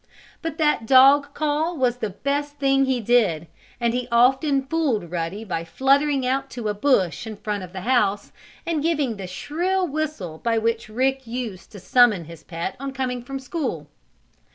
But that dog call was the best thing he did, and he often fooled Ruddy by fluttering out to a bush in front of the house and giving the shrill whistle by which Rick used to summon his pet on coming from school.